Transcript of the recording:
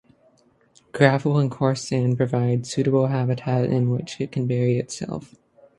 Gravel and coarse sand provide suitable habitat in which it can bury itself.